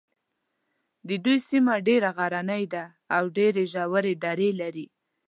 د دوی سیمه ډېره غرنۍ ده او ډېرې ژورې درې لري.